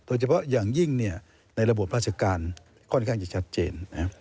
โดยเฉพาะอย่างยิ่งในระบบราชการค่อนข้างจะชัดเจน